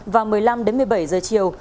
và một mươi năm đến một mươi bảy giờ chiều